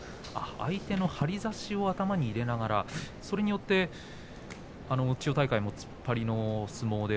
相手の張り差しを頭に入れながら、それによって千代大海、突っ張りの相撲で